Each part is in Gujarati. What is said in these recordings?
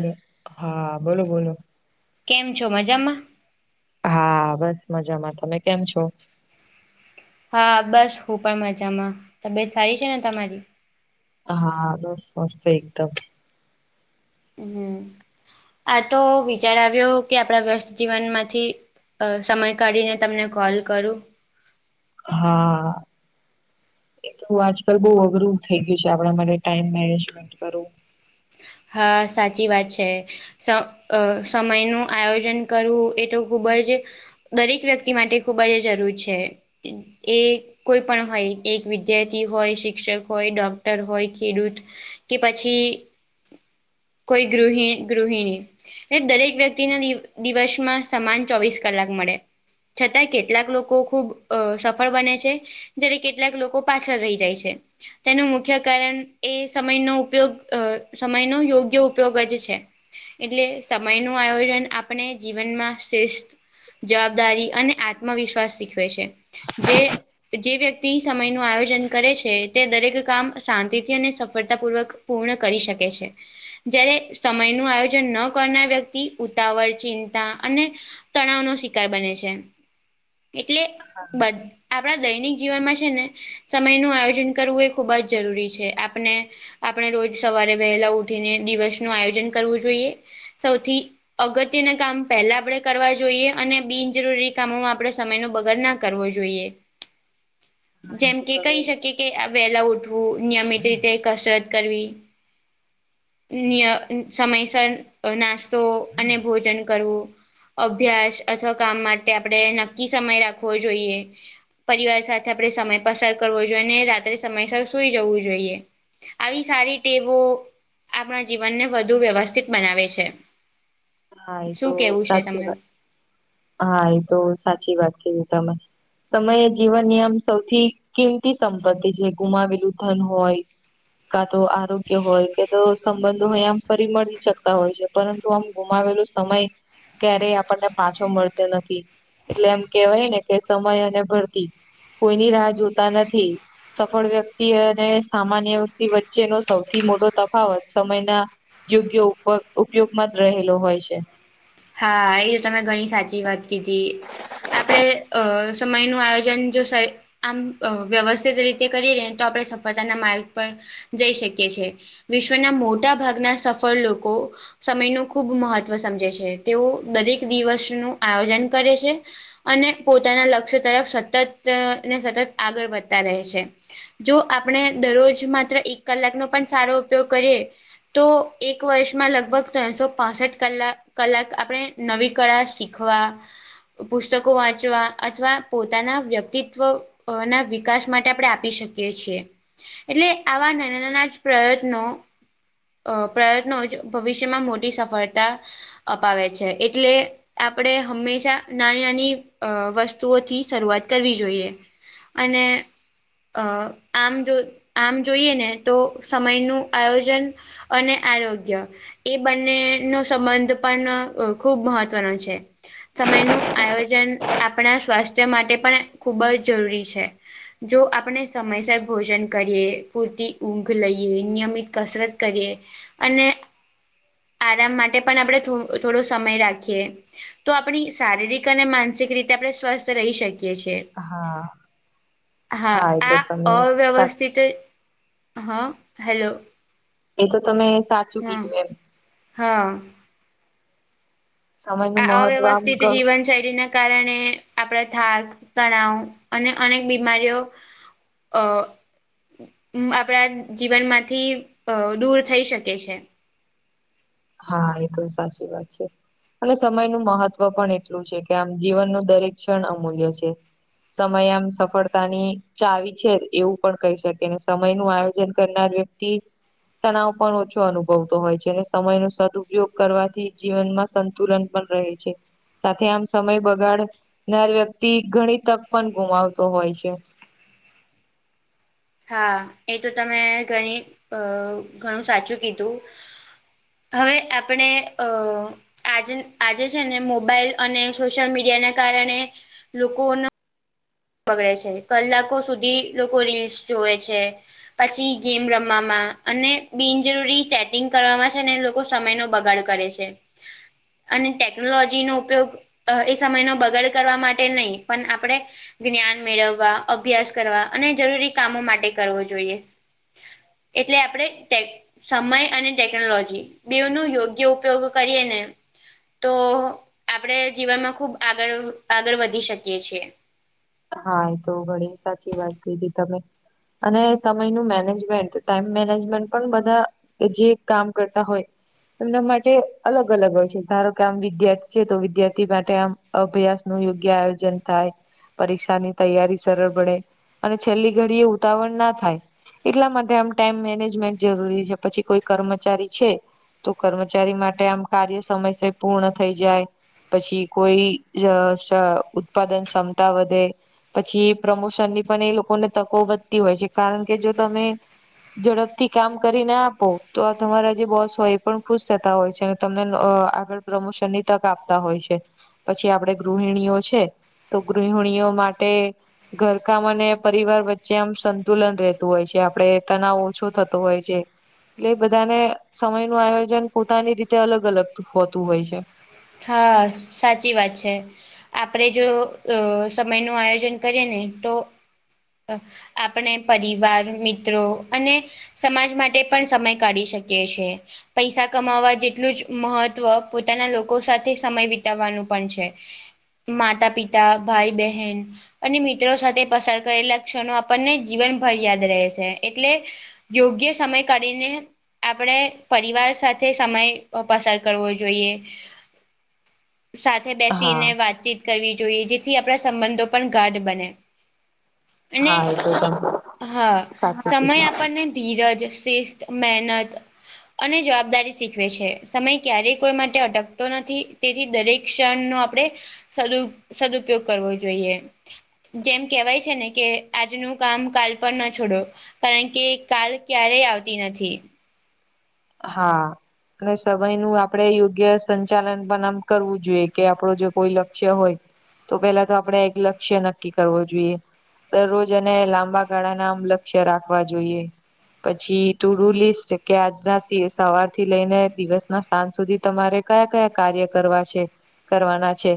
બ હા બોલો બોલો. કેમ છો મજામાં. હા બસ મજામાં તમે કેમ છો. હા બસ હું પણ મજામાં તબિયત સારી છે ને તમારી. હા દોસ્ત મસ્ત એકદમ. હમ આ તો વિચાર આવ્યો કે આપણા વ્યસ્ત જીવન માંથી અ સમય કાઢીને તમને કોલ કરું. હા. એ તો આજકાલ બહુ અઘરું થઈ ગયું છે આપણા માટે ટાઈમ મેનેજમેન્ટ કરવું. હા સાચી વાત છે. સ અ સમયનું આયોજન કરવું એ તો ખુબ જ દરેક વ્યક્તિ માટે ખૂબ જ જરૂર છે. એ કોઈ પણ હોય એક વિદ્યાર્થી હોય, શિક્ષક હોય, ડોક્ટર હોય, ખેડૂત કે પછી કોઈ ગૃહ ગૃહિણી. એ દરેક વ્યક્તિના દી દિવસમાં સમાન ચોવીસ કલાક મળે. છતાંય કેટલાક લોકો ખૂબ અ સફળ અ બને છે. જ્યારે કેટલાક લોકો પાછળ રહી જાય છે. તેનું મુખ્ય કારણ એ સમયનો ઉપયોગ અ સમયનોો યોગ્ય ઉપયોગ જ છે. એટલે સમય નું આયોજન આપણે જીવનમાં શ્રેષઠ જવાબદારી અને આત્મવિશ્વાસ શીખવે છે, જે જે વ્યક્તિ સમય નું આયોજન કરે છે, તે દરેક કામ શાંતિથી અને સફળતાપૂર્વક પૂર્ણ કરી શકે છે. જય્યારે સમય નુ આયોજન ન કરનાર વ્યક્તિ ઉતાવળ ચિંતા અને તણાવ નો શિકાર બને છે એટલે બ આપણા દૈનિક જીવનમાં છેને. સમય નું આયોજન કરવું એ ખુબજ જરૂરી છે, આપને આપણે રોજ સવારે વહેલા ઉઠીને દિવસનુ આયોજન કરવું જોઈએ સૌથી અગત્યના કામ પહેલા આપડણે કરવા જોઈએ, અને બિનજરૂરી કામોમાં આપણેે સમય ન બગર નાખી કરવો જોઈએ. હ જેમ કે કહી શકી કે આ વહેલા ઉઠવું નિયમિત રીતે કસરત કરવી નિય સમયસર નાસ્તો અને ભોજન કરવુ અભ્યાસ અથવા કામ માટે આપણે નક્કી સમય રાખવો જોઈએ. પરિવાર સાથે આપણે સમય પસાર કરવો જોઈએ, અને રાત્રે સમયસર સુઈ જવુ જોઈએ. આવી સારી ટેવો આપણા જીવનને વધુ વ્યવસ્થિત બનાવે છે. હા એ તો શું કેવું છે સાચી તમારું? વાત હા એ તો સાચી વાત ક તમે સમયે જીવનનીમ સૌથી કિંમતી સંપત્તિ છે, ગુમાવેલું ધન હોય. કા તો આરોગ્ય હોય કે તો સંબંધો હોય આમ ફરી મળી શકતા હોય છે, પરંતુ આમ ગુમાવેલોું સમય ક્યારેય આપણને પાછો મળતો નથી, એટલે એમ કેવાય ને કે સમય અને ભરતી કોઈની રાહ જોતા નથી. સફળ વ્યક્તિ અને સામાન્ય વ્યક્તિ વચ્ચેનો સૌથી મોટો તફાવત સમયના યોગ્ય ઉપ ઉપયોગમાં જ રહેલો હોય છે. હા એ તમે ઘણી સાચી વાત કીધી આપણેે અ સમયનુ આયોજન જો આમ વ્યવસ્થિત રીતે કરી લે તો આપણે સફળતાના માર્ગ પર જઈ શકીએ છ છે. વિશ્વના મોટા ભાગના સફળ લોકો સમય ન ખૂબ મહત્વ સમજે છે. તેઓ દરેક દિવસનુ આયોજન કરે છે. અને પોતાના લક્ષ્ય તરફ સતત ને સતત આગળ વધતા રહે છે. જો આપણે દરરોજ માત્ર એક કલાકનોો પણ સારો ઉપયોગ કરીએ તો એક વર્ષમાં લગભગ ત્રણસો પાસઠ કલા કલાક આપણે નવી કળા શીખવા પુસ્તકો વાંચવા અથવા પોતાના વ્યક્તિત્વ અ ના વિકાસ માટે આપણે આપી શકીએ છીએ. એટલે આવા નાના નાના જ પ્રયત્નો અ પ્રયત્નો ભવિષ્યમાં મોટી સફળતા અપાવે છે, એટલે આપણે હંમેશા નાની નાની વસ્તુઓથી શરૂઆત કરવી જોઈએ. અને અ આમ જો આમ જોઈએ, ને તો સમયનું આયોજન અને આરોગ્ય એ બંને નો સંબંધ પણ ખુબ મહત્વનો છે. સમયનું આયોજન આપણા સ્વાસ્થ્ય માટે પણ ખૂબ જ જરૂરી છે. જો આપણે સમયસર ભોજન કરીએ પૂરતી ઊઘ લઈએ નિયમિત કસરત કરીએ અને આરામ માટે પણ આપણે થોડો સમય રાખીએ. તો આપણી શારીરિક અને માનસિક રીતે આપણે સ્વસ્થ રહી શકીએ છીએ. હા હા એ તો આ તમે સા અવ્યવસ્થિત હા હેલો. એ તો તમે સાચું હા કીધું એમ હા. સમય નું મહત્વ આમ અવ્યવસ્થિત ઘણું જીવનશૈલીના કારણે આપણે થાક તણાવ અને અનેક બીમારીઓ. અ. હું આપણા જીવનમાંથી અ દૂર થઈ શકે છે. હા એ તો સાચી વાત છે. અને સમય ન મહત્વ પણ એટલું છે કે આમ જીવન ન દરેક ક્ષણ અમૂલ્ય છે. સમય આમ સફળતા ની ચાવી છે એવું પણ કહી શકે ને સમય નું આયોજન કરનાર વ્યક્તિ તણાવ પણ ઓછો અનુભવતો હોય છે અને સમય ન સદપયોગ કરવાથી જીવનમાં સંતુલન પણ રહે છે. સાથે આમ સમય બગાડનાર વ્યક્તિ ઘણી તક પણ ગુમાવતો હોય છે. હા એ તો તમે ઘણી અ ઘણું સાચું કીધું હવે આપણે અ આજ આજે છે ને મોબાઈલ અને સોશિયલ મીડિયાને કારણે લોકોનો બગડે છે કલાકો સુધી લોકો રીલ્સ જોવે છે. પછી ગેમ રમવામાં અને બિનજરૂરી ચેટિંગ કરવામાં છે ને લોકો સમય નો બગાડ કરે છે અને ટેકનોલોજી નો ઉપયોગ એ સમયનો બગડ કરવા માટે નહીં પણ આપણેે જ્ઞાન મેળવવા અભ્યાસ કરવા અને જરૂરી કામો માટે કરવો જોઈએ. એટલે આપડે સમય અને ટેકનોલોજી બેઉનો યોગ્ય ઉપયોગ કરીએ ને તો આપણે જીવનમાં ખૂબ આગળ આગળ વધી શકીએ છીએ. હા એ તો ઘણી સાચી વાત કીધી તમે અને સમયનું મેનેજમેન્ટ ટાઈમ મેનેજમેન્ટ પણ બધા કે જે કામ કરતા હોય એના માટે અલગ અલગ હોય છે ધારો કે આમ વિદ્યાર્થી છે તો વિદ્યાર્થી માટે આમ અભ્યાસ નું યોગ્ય આયોજન થાય પરીક્ષાની તૈયારી સરળ બડે અને છેલ્લી ઘડી એ ઉતાવળ ના થાય. એટલા માટે આમ ટાઈમ મેનેજમેન્ટ જરૂરી છે પછી કોઈ કર્મચારી છે. તો કર્મચારી માટે આમ કાર્ય સમયસ પૂર્ણ થઈ જાય. પછી કોઈ ય સ ઉત્પાદન ક્ષમતા વધે પછી પ્રમોશનની પણ એ લોકોને તકો વધતી હોય છે કારણ કે જો તમે ઝડપથી કામ કરી ના આપો તો આ તમારા જે બોસ હોય એ પણ ખુશ થતા હોય છે. તમને અ આગળ પ્રમોશન ની તક આપતા હોય છે પછી આપડે ગૃહિણીઓ છે. ગૃહણીઓ માટે ઘરકામ અને પરિવાર વચ્ચે આમ સંતુલન રહેતું હોય છે આપડે તનાવ ઓછો થતો હોય છે. એટલે બધાને સમય નું આયોજન પોતાની રીતે અલગ અલગ હોતું હોય છે. હા સાચી વાત છે. આપણેે જો અ સમય નું આયોજન કરીએ ને તો આપણે પરિવાર મિત્રો અને સમાજ માટે પણ સમય કાઢી શકી છે. પૈસા કમાવા જેટલું જ મહત્વ પોતાના લોકો લોકો સાથે સમય વિતાવવાનું પણ છે માતા પિતા ભાઈ બહેન અને મિત્રો સાથે પસાર કરેલા ક્ષણો આપણને જીવનભર યાદ રહે છે એટલે. યોગ્ય સમય કાઢીને આપણે પરિવાર સાથે સમય પસાર કરવો જોઈએ. સાથે બેસીને હા વાતચીત કરવી જોઈએ જેથી આપણા સંબંધો પણ ગાઢ બને. અને હા એ તો તમે હા સાચું સમય કીધું આપણને ધીરજ, શિસ્ત, મેહેનત અને જવાબદારી શીખવે છે સમય ક્યારેય કોઈ માટે અટક તો નથી તેથી દરેક ક્ષણનો આપણે સદુ સદપયોગ કરવો જોઈએ. જેમ કેહેવાય છે ને કે આજનું કામ કાલ પણ ના છોડો કારણ કે કાલ ક્યારેય આવતી નથી. હા. અને સમય નું આપડે યોગ્ય સંચાલન પણ આમ કરવું જોઈએ કે આપડો જો કોઈ લક્ષ્ય હોય તો પેલા તો આપણેે એક લક્ષ્ય નક્કી કરવો જોઈએ દરરોજ અને લાંબા ગાળા ના આમ લક્ષ્ય રાખવા જોઈએ પછી ટુડુ લિસ કે આજના સવાર થી લઈને દિવસના સાંજ સુધી તમારે કયા કયા કાર્ય કરવા છે? કરવાના છે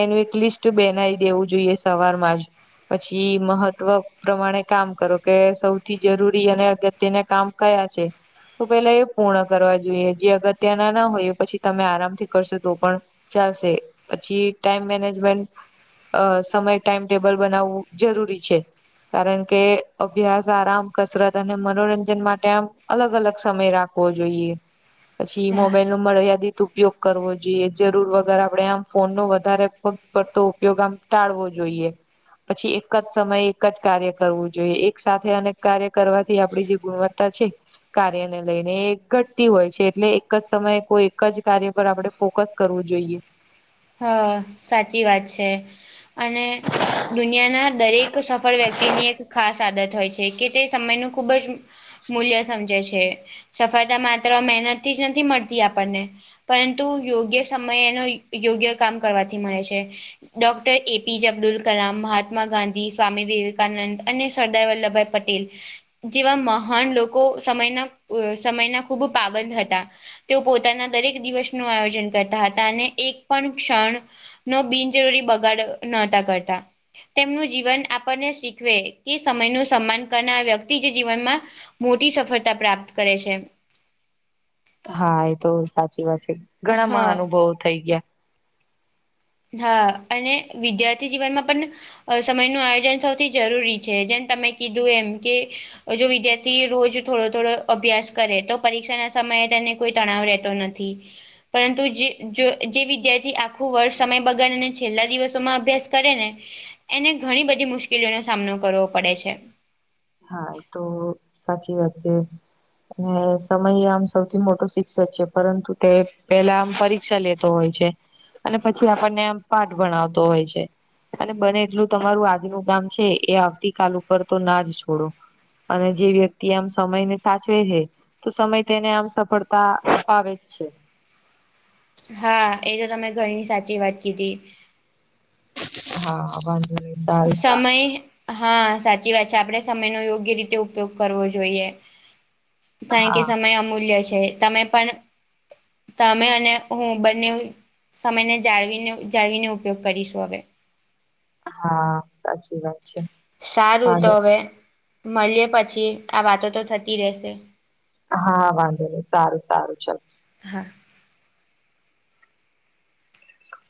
એનું એક લિસ્ટ બનાવી દેવું જોઈએ સવારમાં જ. પછી મહત્વ પ્રમાણે કામ કરો કે સૌથી જરૂરી અને અગત્યને કામ કયા છે તો પેલા એ પૂર્ણ કરવા જોઈએ જે અગત્ય ના ના હોય પછી તમે આરામથી કરશો તો પણ ચાલશે પછી ટાઈમ મેનેજમેન્ટ અ સમય ટાઈમ ટેબલ બનાવવું જરૂરી છે. કારણ કે અભ્યાસ આરામ કસરત અને મનોરંજન માટે આમ અલગ અલગ સમય રાખ વો જોઈએ. પછી મોબાઈલ નો મર્યાદિત ઉ પયોગ કરવો જોઈએ જરૂર વગર આપડે આમ ફોન નો વધારે પ ડતો ઉપયોગ આમ ટાળવો જોઈએ. પછી એક જ સમયે એક જ કાર્ય કરવું જોઈએ એક સાથે અનેક કાર્ય કરવાથી આપડી જે ગુણવ ત્તા છે કાર્ય ને લઈ ને ઘટતી હોય છે એટલે એક જ સમયે કોઈ એક જ કાર્ય પર આપડણે ફોકસ કરવું જોઈએ‌. હ સાચી વાત છે અને દુનિયાના દરેક સફળ વ્યક્તિની એક ખાસ આદત હોય છે કે તે સમયનું ખૂબ જ મૂલ્ય સમજે છે. સફળતા માત્ર મહેનતથી જ નથી મળતી આપણને પરંતુ યોગ્ય સમય એનો યોગ્ય કામ કરવાથી મળે છે. ડોક્ટર એપીજે અબ્દુલ કલામ, મહાત્મા ગાંધી, સ્વામી વિવેકાનંદ અને સરદાર વલ્લભભાઈ પટેલ જેવા મહાન લોકો સમયના સમયના ખૂબ પાબંદ હતા. તેઓ પોતાના દરેક દિવસનું આયોજન કરતા હતા અને એક પણ ક્ષણ નો બિનજરૂરી બગાડ નહોતા કરતા તેમનું જીવન આપણને શીખવે કે સમયનું સન્માન કરનાર વ્યક્તિ જ જીવનમાં મોટી સફળતા પ્રાપ્ત કરે છે. હા એ તો સાચી વાત છે ઘણા હા મહાનુભવો થઈ ગયા. હા અને વિદ્યાર્થી જીવનમાં પણ સમય નું આયોજન સૌથી જરૂરી છે જેમ તમે કીધું એમ કે જો વિદ્યાર્થી રોજ થોડો થોડો અભ્યાસ કરે તો પરીક્ષાના સમયે તેને કો તણાવ રહેતો નથી પરંતુ જે વિદ્યાર્થી આખું વર સમય બગાડ ને છેલ્લા દિવસોમાં અભ્યાસ કરે ને એને ઘણી બધી મુશ્કેલીઓનો સામનો કરવો પડે છે. હા એ તો સાચી વાત છે. અને સમય આમ સૌથી મોટો શિક્ષક છે પરંતુ તે પેલા આમ પરી ક્ષા લેતો હોય છે અને પછી આપણને એમ પાઠ ભણાવતો હોય છે. અને બને એટલું તમારું આજનું કામ છે એ આવતીકાલ ઉપર તો ના જ છોડો, અને જે વ્યક્તિ આમ સમયને સાચવે છે તો સમય તેને આમ સફળતા અપાવે જ છે. હા એ તો તમે ઘણી સાચી વાત કીધી. હા હા વાંધો નહી. સારું સારું છે સમય હા સાચી વાત છે આપણેે સમયનો યોગ્ય રીતે ઉપયોગ કરવો જોઈએ. કારણ કે હા સમય અમૂલ્ય છે તમે પણ તમે અને હું બંને સમયને જાળવીને જાળવીને ઉપયોગ કરીશું હવે. હા, સાચી વાત. છે. સારું તો વાંધો હવે, મલિએ પછી આ વાતો તો થતી રેહશે. હા વાંધો નહી, સારું સારું ચાલ. હા. - -